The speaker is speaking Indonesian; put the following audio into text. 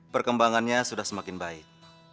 perkembangannya sudah semakin baik